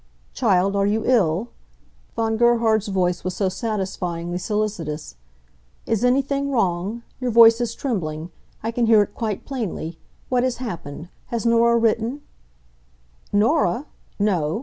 "Child, are you ill?" Von Gerhard's voice was so satisfyingly solicitous. "Is anything wrong? Your voice is trembling. I can hear it quite plainly. What has happened? Has Norah written " "Norah? No.